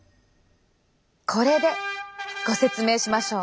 これでご説明しましょう！